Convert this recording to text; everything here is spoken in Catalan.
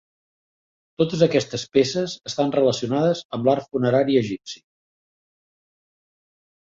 Totes aquestes peces estan relacionades amb l'art funerari egipci.